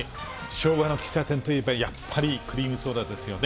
昭和の喫茶店といえば、やっぱりクリームソーダですよね。